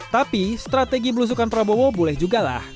tapi strategi belusukan prabowo boleh juga lah